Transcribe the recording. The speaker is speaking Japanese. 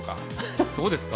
そうですか？